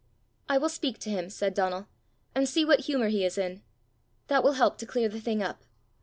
"I will speak to him," said Donal, "and see what humour he is in. That will help to clear the thing up.